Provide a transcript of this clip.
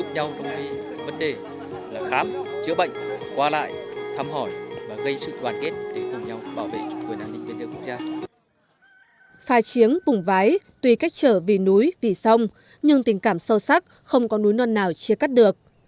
phá chiến phùng vái tuy cách trở vì núi vì sông nhưng tình cảm sâu sắc không có núi non nào chia cắt được